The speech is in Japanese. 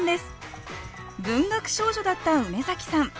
文学少女だった梅さん。